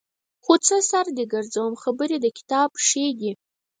خو څه سر دې ګرځوم خبرې د کتاب ښې دي.